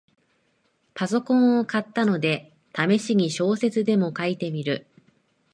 パソコンを買ったので、ためしに小説でも書いてみる